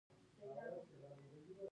ایا زه باید خربوزه وخورم؟